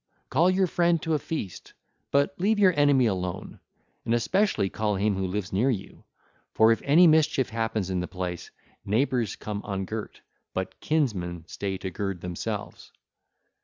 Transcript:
(ll. 342 351) Call your friend to a feast; but leave your enemy alone; and especially call him who lives near you: for if any mischief happen in the place, neighbours come ungirt, but kinsmen stay to gird themselves 1309.